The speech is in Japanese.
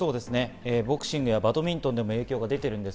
ボクシングやバドミントンでも影響が出ています。